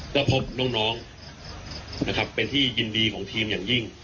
ก็พบน้องนะครับเป็นที่ยินดีของทีมอย่างยิ่ง